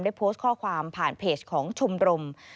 โพสต์ข้อความผ่านเพจของชมรม